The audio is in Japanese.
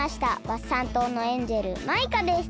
ワッサン島のエンジェルマイカです。